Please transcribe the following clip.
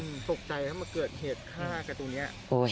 อืมตกใจอะเมื่อเกิดเหตุฆ่ากับตรงเนี้ยะ